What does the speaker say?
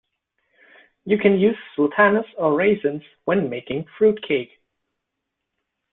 You can use sultanas or raisins when making fruitcake